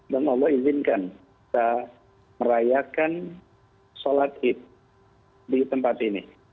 dan allah izinkan kita merayakan sholat ibrat di tempat ini